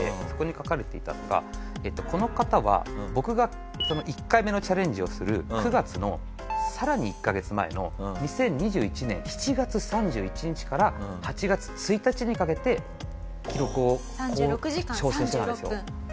そこに書かれていたのがこの方は僕が１回目のチャレンジをする９月のさらに１カ月前の２０２１年７月３１日から８月１日にかけて記録を挑戦してたんですよ。